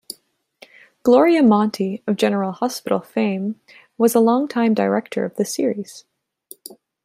Gloria Monty, of "General Hospital" fame, was a longtime director of the series.